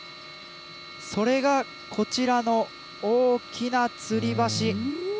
それが、こちらの大きなつり橋。